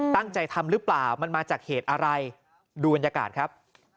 ตั้งใจทำหรือเปล่ามันมาจากเหตุอะไรดูบรรยากาศครับ